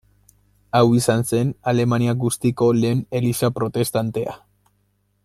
Hau izan zen Alemania guztiko lehenengo eliza protestantea.